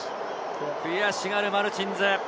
悔しがるマルチンズ。